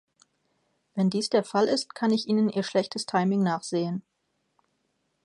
Wenn dies der Fall ist, kann ich Ihnen Ihr schlechtes Timing nachsehen.